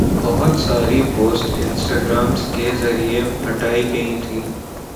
بہت ساری post Instagram کے ذریعہ ہٹائی گئی تھی